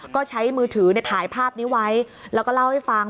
ก็ใช้มือถือถ่ายภาพนี้ไว้แล้วก็เล่าให้ฟัง